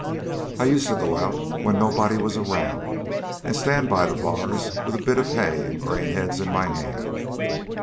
"I used to go out when nobody was around and stand by the bars with a bit of hay and grain heads in my hand.